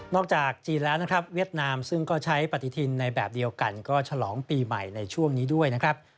จากจีนแล้วนะครับเวียดนามซึ่งก็ใช้ปฏิทินในแบบเดียวกันก็ฉลองปีใหม่ในช่วงนี้ด้วยนะครับ